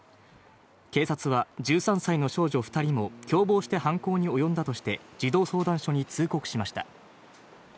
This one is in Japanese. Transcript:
警察は１３歳の少女２人も、共謀して犯行に及んだとして、児童相談所に通告しました。